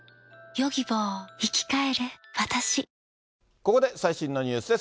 ここで最新のニュースです。